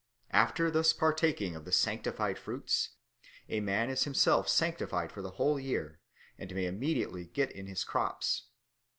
After thus partaking of the sanctified fruits, a man is himself sanctified for the whole year, and may immediately get in his crops.